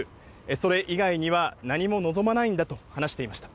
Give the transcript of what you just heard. それ以外には何も望まないんだと話していました。